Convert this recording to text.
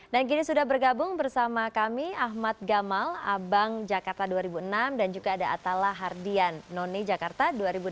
dan kini sudah bergabung bersama kami ahmad gamal abang jakarta dua ribu enam dan juga ada atala hardian none jakarta dua ribu delapan belas